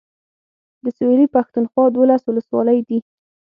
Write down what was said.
د سويلي پښتونخوا دولس اولسولۍ دي.